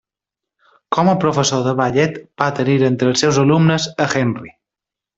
Com a professor de ballet va tenir entre els seus alumnes a Henry.